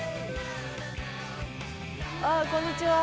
あこんにちは。